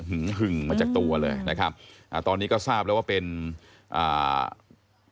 หึงมาจากตัวเลยนะครับอ่าตอนนี้ก็ทราบแล้วว่าเป็นอ่า